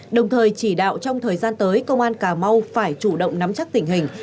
đồng thời chỉ đạo trong thời gian tới công an cà mau phải chủ động nắm chắc tình hình